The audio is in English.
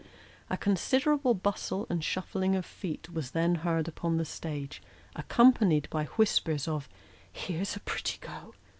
A considerable bustle and shuffling of feet was then heard upon the stage, accompanied by whispers of " Here's a pretty go !